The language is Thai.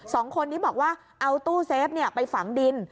สองคนนี้บอกว่าเอาตู้เซฟไปฝังดิน